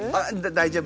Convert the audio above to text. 大丈夫。